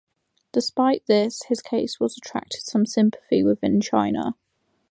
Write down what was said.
Despite this, his case has attracted some sympathy within China.